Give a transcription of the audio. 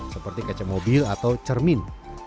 seperti kaca mobil atau cermin